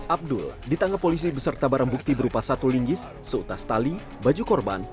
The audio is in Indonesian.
abdul ditangkap polisi beserta barang bukti berupa satu linggis seutas tali baju korban